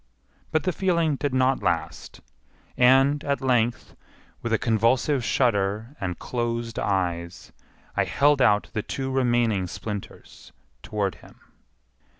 But the feeling did not last; and, at length, with a convulsive shudder and closed eyes, I held out the two remaining splinters toward him.